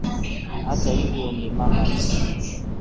Hata hivyo ni mama-mtu